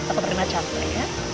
takut rena campur ya